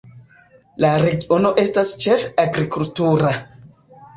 La regiono estas ĉefe agrikultura.